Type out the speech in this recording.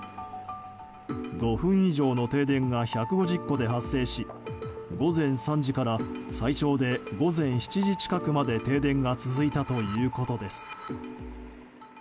５分以上の停電が１５０戸で発生し午前３時から最長で午前７時近くまで停電が続いたということです。